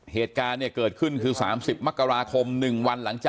เหตุการณ์เกิดขึ้นคือ๓๐มกราคม๑วัน